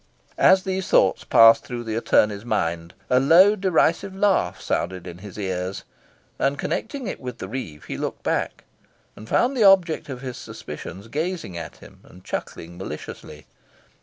As these thoughts passed through the attorney's mind a low derisive laugh sounded in his ears, and, connecting it with the reeve, he looked back and found the object of his suspicions gazing at him, and chuckling maliciously.